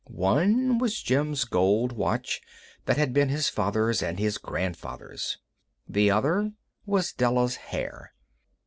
One was Jim's gold watch that had been his father's and his grandfather's. The other was Della's hair.